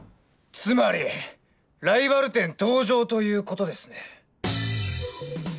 つまりライバル店登場という事ですね。